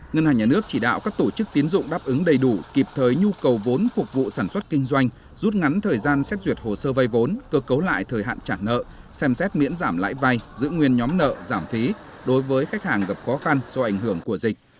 ngân hàng nhà nước chỉ đạo các tổ chức tiến dụng đáp ứng đầy đủ kịp thời nhu cầu vốn phục vụ sản xuất kinh doanh rút ngắn thời gian xét duyệt hồ sơ vay vốn cơ cấu lại thời hạn trả nợ xem xét miễn giảm lãi vay giữ nguyên nhóm nợ giảm phí đối với khách hàng gặp khó khăn do ảnh hưởng của dịch